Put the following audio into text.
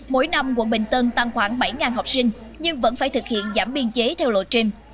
mỗi năm quận bình tân tăng khoảng bảy học sinh nhưng vẫn phải thực hiện giảm biên chế theo lộ trình